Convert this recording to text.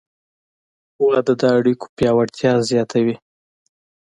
• واده د اړیکو پیاوړتیا زیاتوي.